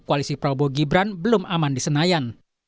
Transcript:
koalisi prabowo gibran belum aman di senayan